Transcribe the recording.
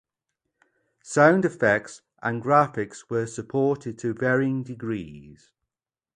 Sound effects and graphics were supported to varying degrees.